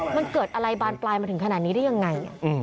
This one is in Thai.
มันเกิดอะไรบานปลายมาถึงขนาดนี้ได้ยังไง